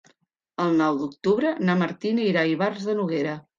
El nou d'octubre na Martina irà a Ivars de Noguera.